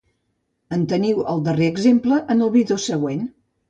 En teniu el darrer exemple en el vídeo següent.